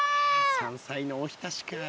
山菜のおひたしか。